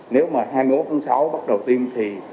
nếu mà hai mươi một tháng sáu bắt đầu tiêm thì